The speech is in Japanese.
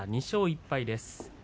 ２勝１敗です。